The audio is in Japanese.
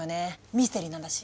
ミステリーなんだし。